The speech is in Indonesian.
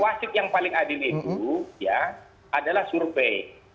wasit yang paling adil itu ya adalah survei